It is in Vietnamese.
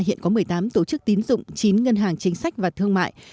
hiện có một mươi tám tổ chức tín dụng chín ngân hàng chính sách và thương mại